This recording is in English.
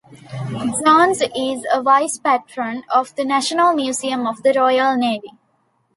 Jones is a Vice-Patron of the National Museum of the Royal Navy.